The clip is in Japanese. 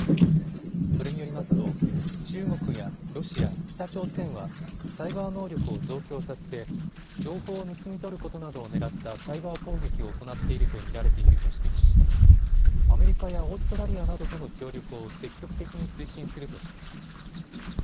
それによりますと中国やロシア、北朝鮮はサイバー能力を増強させて情報を盗み取ることなどを狙ったサイバー攻撃を行っていると見られていると指摘しアメリカやオーストラリアなどとの協力を積極的に推進するとしています。